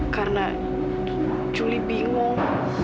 karena juli bingung